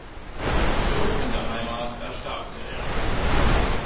Zurück in der Heimat erstarkte er.